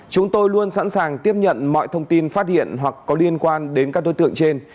chúng tôi luôn sẵn sàng tiếp nhận mọi thông tin phát hiện hoặc có liên quan đến các đối tượng trên